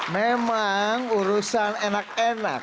memang urusan enak enak